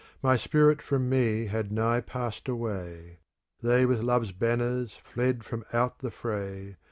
My spirit from me had nigh passed away, *^ They with Love's banners fled from out the fray.